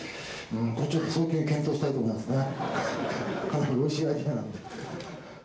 これちょっと、早急に検討したいと思いますね。